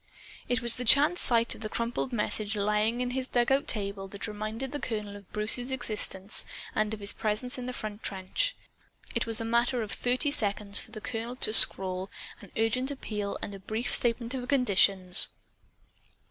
It was the chance sight of a crumpled message lying on his dugout table that reminded the colonel of Bruce's existence and of his presence in the front trench. It was a matter of thirty seconds for the colonel to scrawl an urgent appeal and a brief statement of conditions.